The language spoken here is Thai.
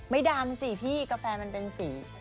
ดำสิพี่กาแฟมันเป็นสี